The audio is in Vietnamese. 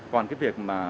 còn cái việc